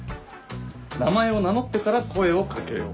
「名前を名乗ってから声をかけよう」。